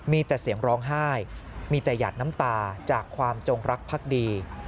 มีแต่เสียงร้องไห้มีแต่หยาดน้ำตาจากความจงรักพักดี